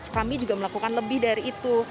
kami juga melakukan lebih dari itu